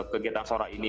kegiatan sora ini